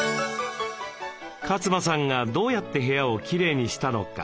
勝間さんがどうやって部屋をきれいにしたのか？